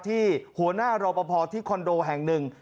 ที่หัวหน้ารอปภที่คอนโดแห่งหนึ่ง